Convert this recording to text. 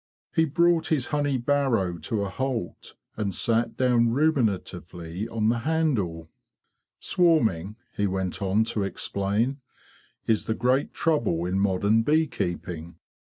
He brought his honey barrow to a halt, and sat down ruminatively on the handle. '' Swarming,''? he went on to explain, "'is the great trouble in modern bee keeping.